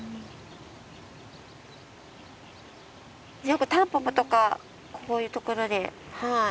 よくタンポポとかこういう所ではい。